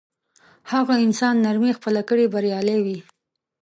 هغه انسان نرمي خپله کړي بریالی وي.